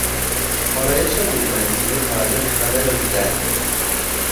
آرایش موی منصوره توجه همه را جلب کرد.